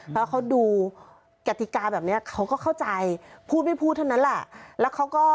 เพราะว่าเขาดูกฎิกาแบบนี้เขาก็เข้าใจพูดไม่พูดเท่านั้นแหละ